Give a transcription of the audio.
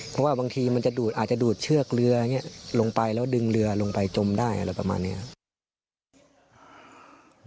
เพราะว่าบางทีมันจะดูดอาจจะดูดเชือกเรืออย่างนี้ลงไปแล้วดึงเรือลงไปจมได้อะไรประมาณนี้ครับ